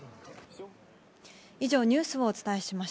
以上、ニュースをお伝えしま